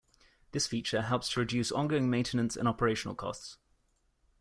This feature helps to reduce on-going maintenance and operational costs.